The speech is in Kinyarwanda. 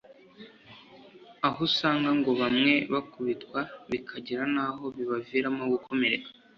aho usanga ngo bamwe bakubitwa bikagera n’aho bibaviramo gukomereka